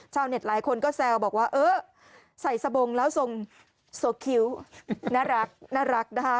ชาวเน็ตหลายคนก็แซวบอกว่าเออใส่สบงแล้วทรงน่ารักน่ารักนะคะ